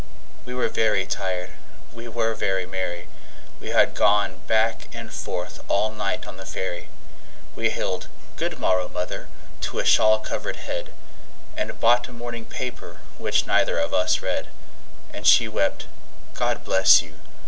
We were very tired, we were very merry, We had gone back and forth all night on the ferry, We hailed "Good morrow, mother!" to a shawl covered head, And bought a morning paper, which neither of us read; And she wept, "God bless you!"